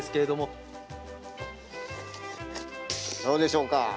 どうでしょうか？